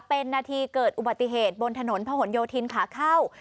เป็นนาทีเกิดอุบัติเหตุบนถนนพะหนโยธินขาเข้า